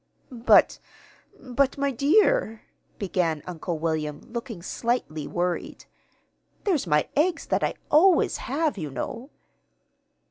"But but, my dear," began Uncle William, looking slightly worried, "there's my eggs that I always have, you know."